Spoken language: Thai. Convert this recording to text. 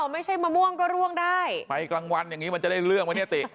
ไม่ใช่มะม่วงก็ร่วงได้ไปกลางวันอย่างนี้มันจะได้เรื่องไหมเนี่ยติ